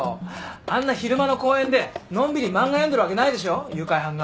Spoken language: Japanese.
あんな昼間の公園でのんびり漫画読んでるわけないでしょ誘拐犯が。